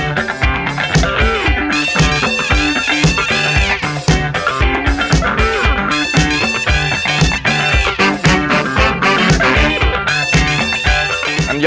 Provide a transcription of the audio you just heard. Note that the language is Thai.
อันยองนังเซโย